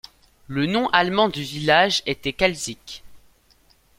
Le nom allemand du village était Kalzig.